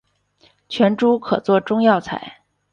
全株可做中药材。